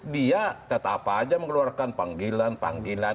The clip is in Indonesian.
dia tetap saja mengeluarkan panggilan panggilan